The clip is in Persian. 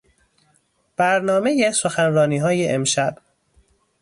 برنامهی سخنرانیهای امشب